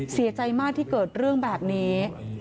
เสียใจมากที่เกิดเรื่องแบบนี้